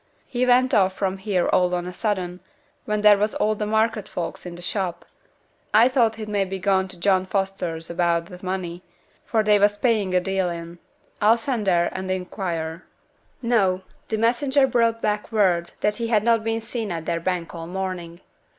'He went off from here all on a sudden, when there was all the market folks in t' shop; I thought he'd maybe gone to John Foster's about th' money, for they was paying a deal in. I'll send there and inquire.' No! the messenger brought back word that he had not been seen at their bank all morning.